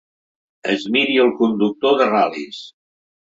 Es miri el conductor de ral·lis.